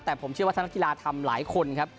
แต่ผมเชื่อว่าถ้านักกีฬาทำหลายคนครับ